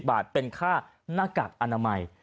บาทเป็นค่าหน้ากากอนามัย